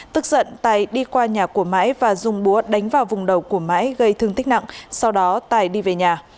tức giận tài đi qua nhà của mãi và dùng búa đánh vào vùng đầu của mãi gây thương tích nặng sau đó tài đi về nhà